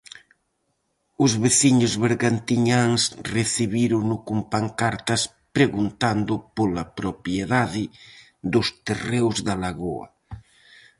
Os veciños bergantiñáns recibírono con pancartas preguntando pola propiedade dos terreos da Lagoa.